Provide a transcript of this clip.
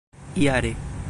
jare